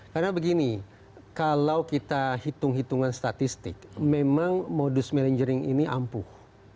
karena begini kalau kita hitung hitungan statistik memang modus melinggering ini ampuh